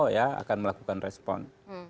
iya akan melakukan respon